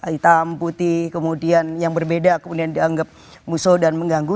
hitam putih kemudian yang berbeda kemudian dianggap musuh dan mengganggu